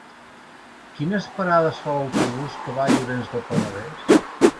Quines parades fa l'autobús que va a Llorenç del Penedès?